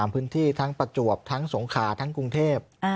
พื้นที่ทั้งประจวบทั้งสงขาทั้งกรุงเทพ